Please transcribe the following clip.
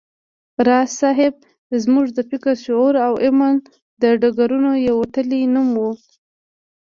راز صيب زموږ د فکر، شعور او علم د ډګرونو یو وتلی نوم و